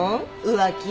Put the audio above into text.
浮気。